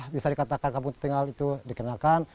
bisa dikatakan kampung tertinggal itu dikenalkan